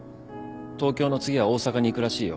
東京の次は大阪に行くらしいよ。